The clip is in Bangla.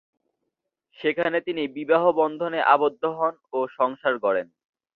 সেখানে তিনি বিবাহবন্ধনে আবদ্ধ হন ও সংসার গড়েন।